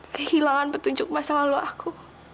kehilangan petunjuk masa lalu aku